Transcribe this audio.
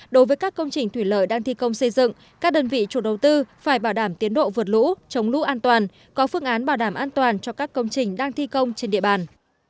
đối với các công trình thủy lợi đang thi công xây dựng các đơn vị chủ đầu tư phải bảo đảm tiến độ vượt lũ chống lũ an toàn có phương án bảo đảm an toàn cho các công trình đang thi công trên địa bàn